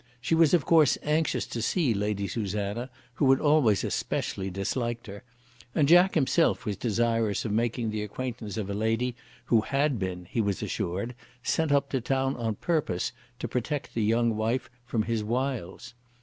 She was of course anxious to see Lady Susanna, who had always especially disliked her; and Jack himself was desirous of making the acquaintance of a lady who had been, he was assured, sent up to town on purpose to protect the young wife from his wiles.